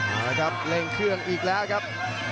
มาแล้วครับเล่นเครื่องอีกแล้วครับ